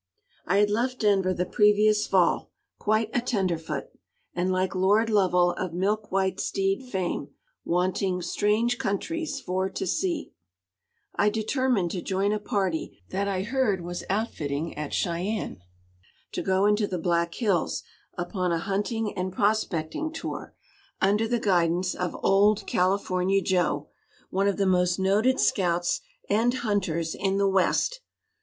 I had left Denver the previous fall, quite a tenderfoot, and, like Lord Lovel of milk white steed fame, wanting "strange countries for to see," I determined to join a party that I heard was outfitting at Cheyenne to go into the Black Hills upon a hunting and prospecting tour, under the guidance of old California Joe, one of the most noted scouts and hunters in the West.